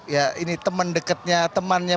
ya ini temen deketnya temannya